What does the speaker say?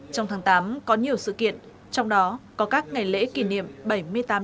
trong tháng tám có nhiều sự kiện trong đó có các ngày lễ kỷ niệm